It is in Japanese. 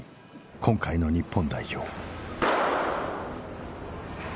今回の日本代表。